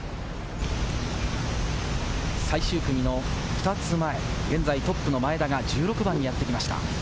最終組の２つ前、現在トップの前田が１６番にやってきました。